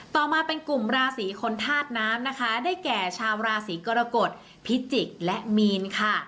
ต่อมาเป็นกลุ่มราศีคนธาตุน้ำนะคะได้แก่ชาวราศีกรกฎพิจิกษ์และมีนค่ะ